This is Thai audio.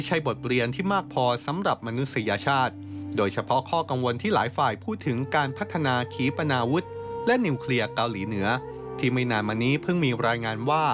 จินโซอาเบนายกรัฐมนตรีญี่ปุ่น